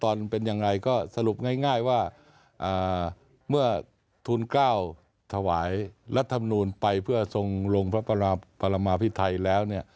ตอนเป็นอย่างไรก็สรุปง่ายว่าเมื่อทุนเกล้าถวายรัฐมนุนไปเพื่อทรงลงพระประมาภิไทยแล้ว